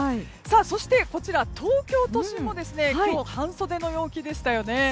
そして、こちら東京都心も今日、半袖の容器でしたよね。